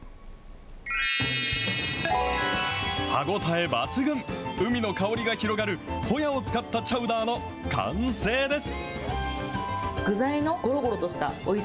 歯応え抜群、海の香りが広がるほやを使ったチャウダーの完成です。